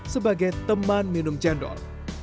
sebagai teman minum cendol